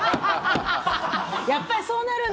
やっぱりそうなるんだ！